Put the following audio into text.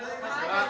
terima kasih banyak